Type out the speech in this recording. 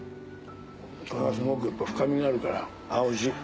これはすごくやっぱ深みがあるからあおいしい。